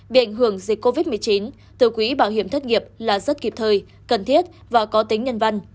bị ảnh hưởng dịch covid một mươi chín từ quỹ bảo hiểm thất nghiệp là rất kịp thời cần thiết và có tính nhân văn